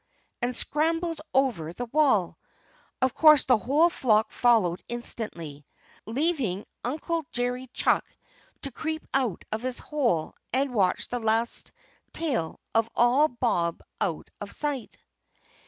_" and scrambled over the wall. Of course the whole flock followed instantly, leaving Uncle Jerry Chuck to creep out of his hole and watch the last tail of all bob out of sight.